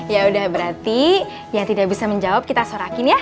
ya udah berarti yang tidak bisa menjawab kita sorakin ya